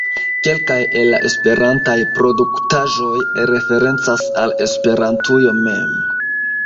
Kelkaj el la esperantaj produktaĵoj referencas al Esperantujo mem.